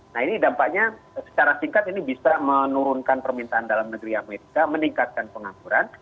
nah ini dampaknya secara singkat ini bisa menurunkan permintaan dalam negeri amerika meningkatkan pengangguran